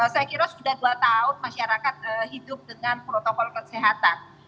saya kira sudah dua tahun masyarakat hidup dengan protokol kesehatan